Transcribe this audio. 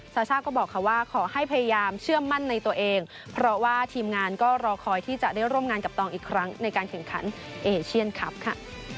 ซาซ่าก็บอกค่ะว่าขอให้พยายามเชื่อมั่นในตัวเองเพราะว่าทีมงานก็รอคอยที่จะได้ร่วมงานกับตองอีกครั้งในการแข่งขันเอเชียนคลับค่ะ